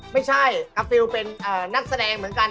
ไม่ใช่กาฟิลเป็นนักแสดงเหมือนกัน